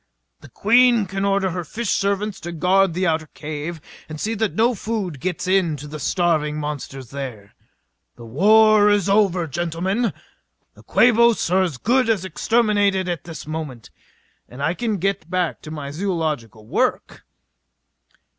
The Queen can order her fish servants to guard the outer cave and see that no food gets in to the starving monsters there. The war is over, gentlemen. The Quabos are as good as exterminated at this moment. And I can get back to my zoological work...."